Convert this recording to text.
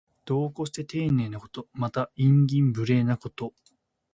度を越してていねいなこと。また、慇懃無礼なこと。